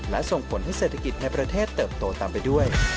และส่งผลให้เศรษฐกิจในประเทศเติบโตตามไปด้วย